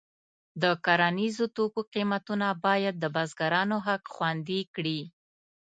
د کرنیزو توکو قیمتونه باید د بزګرانو حق خوندي کړي.